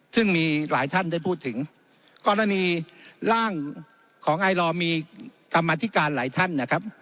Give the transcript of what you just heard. ซึ่งมีหลายท่านได้พูดถึงกรณีร่างของไอลอร์มีกรรมธิการหลายท่านนะครับ